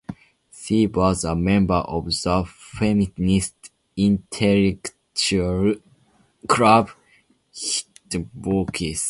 She was a member of the feminist intellectual club Heterodoxy.